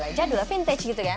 jadul jadul vintage gitu kan